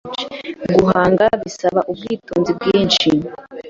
guhanga bisaba ubwitonzi bwinshi cyane